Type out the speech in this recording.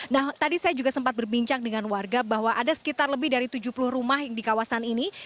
nah tadi saya juga sempat berbincang dengan warga bahwa ada sekitar lebih dari tujuh puluh rumah di kawasan ini